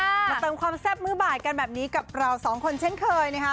มาเติมความแซ่บมือบ่ายกันแบบนี้กับเราสองคนเช่นเคยนะคะ